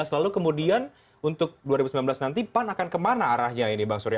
lalu kemudian untuk dua ribu sembilan belas nanti pan akan kemana arahnya ini bang surya